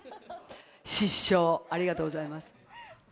失笑、ありがとうございます。